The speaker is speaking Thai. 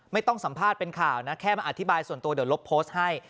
ไม่ต้องสัมภาษณ์เป็นข่าวนะแค่มาอธิบายส่วนตัวเดี๋ยวลบโพสต์ให้